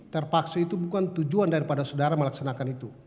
terpaksa itu bukan tujuan daripada saudara melaksanakan itu